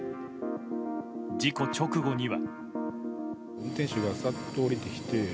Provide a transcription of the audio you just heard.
事故直後には。